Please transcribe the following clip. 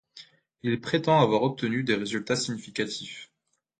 Il prétend avoir obtenu des résultats significatifs.